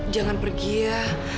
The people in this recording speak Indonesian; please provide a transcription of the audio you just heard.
jangan pergi ya